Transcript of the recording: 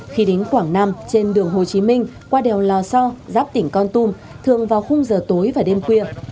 khi đến quảng nam trên đường hồ chí minh qua đèo lò so giáp tỉnh con tum thường vào khung giờ tối và đêm khuya